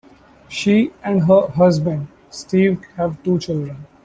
She and her husband Steve have two children.